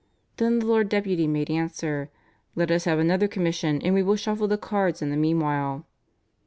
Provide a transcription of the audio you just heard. Then the Lord Deputy made answer, "Let us have another commission and we will shuffle the cards in the meanwhile."